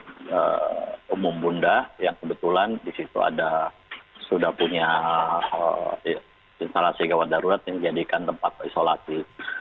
kemudian kita bawa ke rumah umum bunda yang kebetulan disitu ada sudah punya instalasi gawat darurat yang dijadikan tempat isolasi